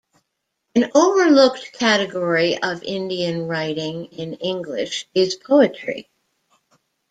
An overlooked category of Indian writing in English is poetry.